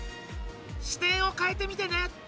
視点を変えてみてね！